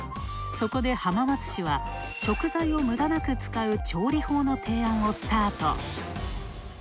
そこで浜松市は、食材を無駄なく使う調理法の提案をスタート。